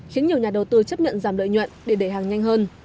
khiến nhiều nhà đầu tư chấp nhận giảm đợi nhuận để để hàng nhanh hơn